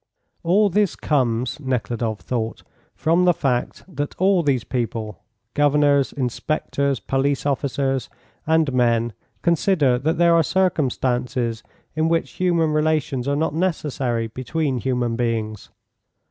"All this comes," Nekhludoff thought, "from the fact that all these people, governors, inspectors, police officers, and men, consider that there are circumstances in which human relations are not necessary between human beings.